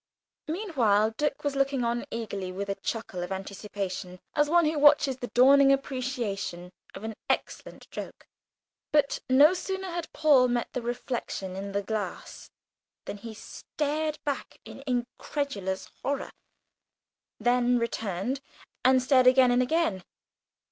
Meanwhile Dick was looking on eagerly with a chuckle of anticipation, as one who watches the dawning appreciation of an excellent joke. But no sooner had Paul met the reflection in the glass than he started back in incredulous horror then returned and stared again and again.